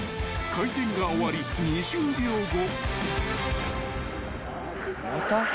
［回転が終わり２０秒後］